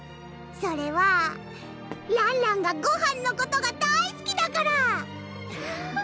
それはらんらんがごはんのことが大すきだから！